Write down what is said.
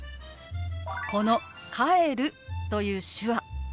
この「帰る」という手話。